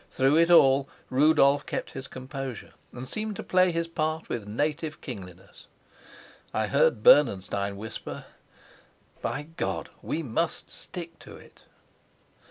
Through it all Rudolf kept his composure, and seemed to play his part with native kingliness. I heard Bernenstein whisper, "By God, we must stick to it!"